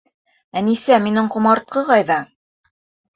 Әнисә, минең ҡомартҡы ҡайҙа?